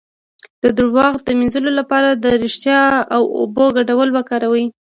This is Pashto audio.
د دروغ د مینځلو لپاره د ریښتیا او اوبو ګډول وکاروئ